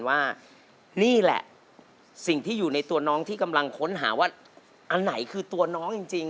ว่านี่แหละสิ่งที่อยู่ในตัวน้องที่กำลังค้นหาว่าอันไหนคือตัวน้องจริง